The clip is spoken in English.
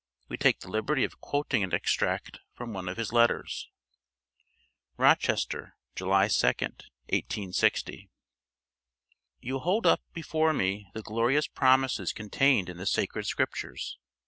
We take the liberty of quoting an extract from one of his letters: "ROCHESTER, July 2d, 1860. "You hold up before me the glorious promises contained in the sacred Scriptures.